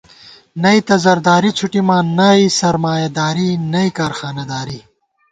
نئ تہ زرداری څھُٹَمان ، نئ سرمایہ داری نئیبی کارخانہ داری